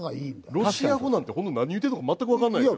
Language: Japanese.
ロシア語なんてホント何言うてるのか全くわかんないですよ。